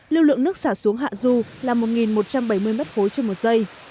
lưu lượng nước xả xuống hạ du là một một trăm bảy mươi m ba trên một giây